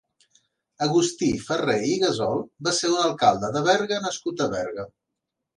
Agustí Ferrer i Gasol va ser un alcalde de Berga nascut a Berga.